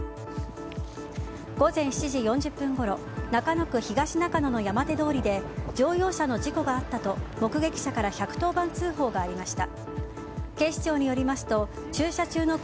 午前７時４０分ごろ中野区東中野の山手通りで山手通りで乗用車の事故があったと目撃者から１１０番通報がありました。